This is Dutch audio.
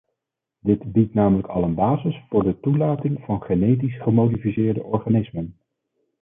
Die biedt namelijk al een basis voor de toelating van genetisch gemodificeerde organismen.